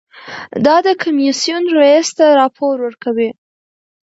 دا د کمیسیون رییس ته راپور ورکوي.